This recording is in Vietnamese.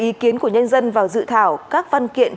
ý kiến của nhân dân vào dự thảo các văn kiện